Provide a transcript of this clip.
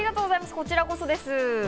こちらこそです。